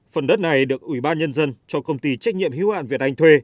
phần đất này được ubnd cho công ty trách nhiệm hữu hạn việt anh thuê